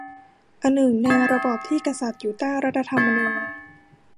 อนึ่ง ในระบอบที่กษัตริย์อยู่ใต้รัฐธรรมนูญ